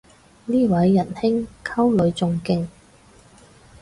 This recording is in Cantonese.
呢位人兄溝女仲勁